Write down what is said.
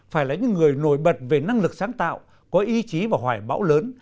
phải là những người nổi bật về năng lực sáng tạo có ý chí và hoài bão lớn